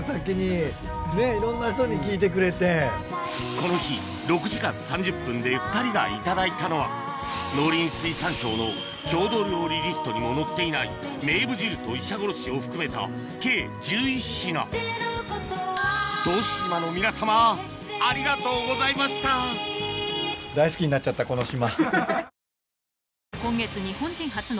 この日６時間３０分で２人がいただいたのは農林水産省の郷土料理リストにも載っていないめーぶ汁と医者ごろしを含めた計１１品答志島の皆様ありがとうございましたこの島。